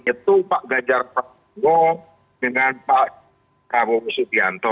itu pak gajar pembo dengan pak prabowo subianto